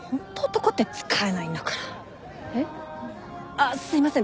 あっすいません。